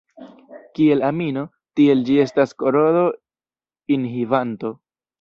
Kiel amino, tiel ĝi estas korodo-inhibanto.